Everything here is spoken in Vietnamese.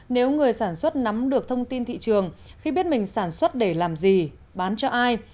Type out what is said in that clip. nếu người sản xuất nắm được thông tin thị trường khi biết mình sản xuất để làm gì bán cho ai